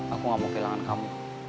aku gak mau kehilangan kamu